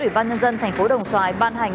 ubnd thành phố đồng xoài ban hành